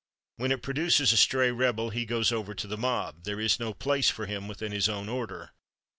When it produces a stray rebel he goes over to the mob; there is no place for him within his own order.